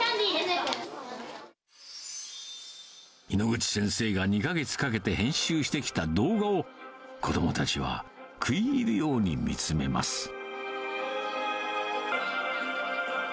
猪口先生が２か月かけて編集してきた動画を、子どもたちは食い入るように見つめます。